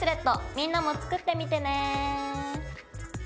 みんなも作ってみてね！